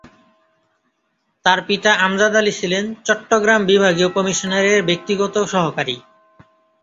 তার পিতা আমজাদ আলী ছিলেন চট্টগ্রাম বিভাগীয় কমিশনারের ব্যক্তিগত সহকারী।